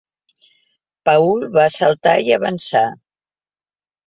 Paul va saltar i avançar.